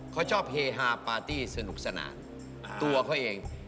เขาชอบเฮฮาปาร์ตี้สนุกสนานตัวเขาเอง